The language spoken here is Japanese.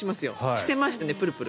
してましたね、プルプル。